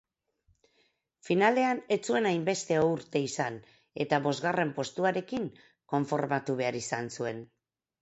Finalean ez zuen hainbeste ourte izan eta bosgarren postuarekin konformatu behar izan zuen.